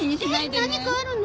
何かあるの？